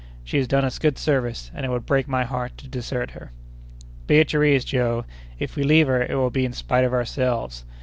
She has done us good service, and it would break my heart to desert her." "Be at your ease, Joe; if we leave her, it will be in spite of ourselves.